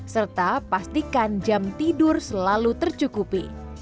serta pastikan jam tidur selalu tercukupi